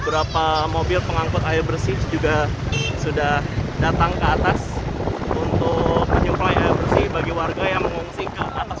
beberapa mobil pengangkut air bersih juga sudah datang ke atas untuk menyuplai air bersih bagi warga yang mengungsi ke atas